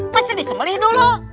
mesti disembelih dulu